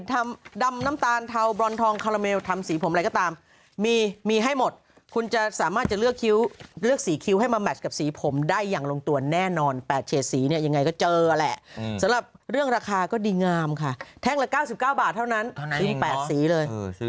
ดำน้ำตาลเทาบรอนทองคาราเมลทำสีผมอะไรก็ตามมีมีให้หมดคุณจะสามารถจะเลือกคิ้วเลือกสีคิ้วให้มาแมชกับสีผมได้อย่างลงตัวแน่นอน๘เฉดสีเนี่ยยังไงก็เจอแหละสำหรับเรื่องราคาก็ดีงามค่ะแท่งละ๙๙บาทเท่านั้นขึ้น๘สีเลย